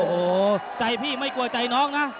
โอ้โหใจพี่ไม่กลัวใจน้องนะ